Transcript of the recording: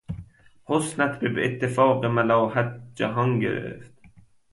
حسنت به اتفاق ملاحت جهان گرفت...